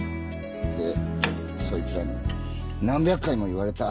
でそいつらに何百回も言われた。